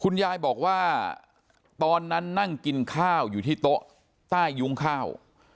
ยายบอกว่าตอนนั้นนั่งกินข้าวอยู่ที่โต๊ะใต้ยุ้งข้าว